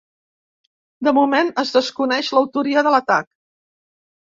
De moment, es desconeix l’autoria de l’atac.